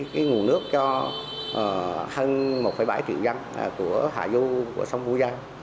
cái nguồn nước cho hơn một bảy triệu dân của hạ du của sông vũ giang